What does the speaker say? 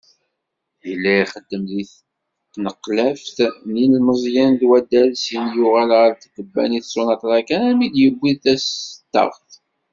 Yella ixeddem deg tnqlaft n yilmeẓyen d waddal, syin yuɣal ɣer tkebbanit Sonatrach armi i d-yewwi tastaɣt.